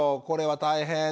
これは大変。